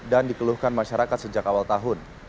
dan dikeluhkan masyarakat sejak awal tahun